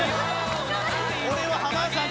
これは浜田さん